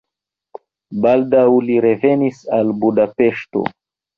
Baldaŭ li revenis al Budapeŝto.